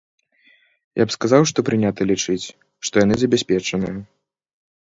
Я б сказаў, што прынята лічыць, што яны забяспечаныя.